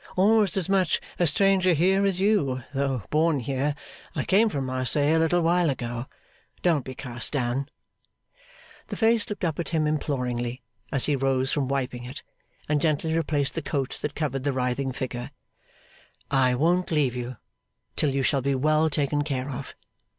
Almost as much a stranger here as you, though born here, I came from Marseilles a little while ago. Don't be cast down.' The face looked up at him imploringly, as he rose from wiping it, and gently replaced the coat that covered the writhing figure. 'I won't leave you till you shall be well taken care of.